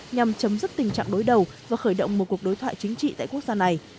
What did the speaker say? nhằm chấm dứt tình trạng đối đầu và khởi động một cuộc đối thoại chính trị tại quốc gia này